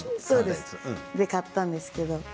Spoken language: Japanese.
そうです買ったんですけど。